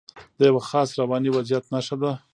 د یوه خاص رواني وضعیت نښه ده.